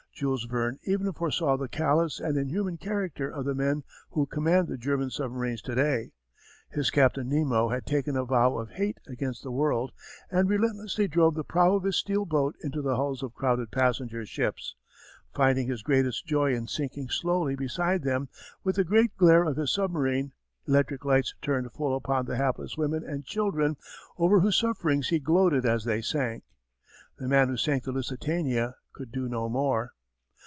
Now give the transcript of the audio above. Jules Verne even foresaw the callous and inhuman character of the men who command the German submarines to day. His Captain Nemo had taken a vow of hate against the world and relentlessly drove the prow of his steel boat into the hulls of crowded passenger ships, finding his greatest joy in sinking slowly beside them with the bright glare of his submarine electric lights turned full upon the hapless women and children over whose sufferings he gloated as they sank. The man who sank the Lusitania could do no more.